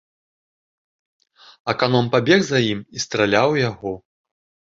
Аканом пабег за ім і страляў у яго.